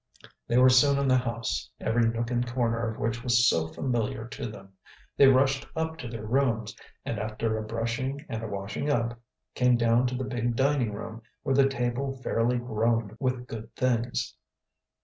They were soon in the house, every nook and corner of which was so familiar to them. They rushed up to their rooms, and, after a brushing and a washing up, came down to the big dining room, where the table fairly groaned with good things.